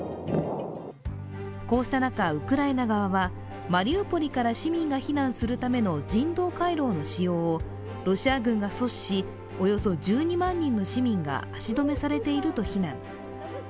こうした中、ウクライナ側はマリウポリから市民が避難するための人道回廊の使用をロシア軍が阻止し、およそ１２万人の市民が足止めされていると非難。